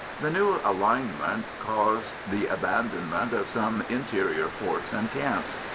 The new alignment caused the abandonment of some interior forts and camps.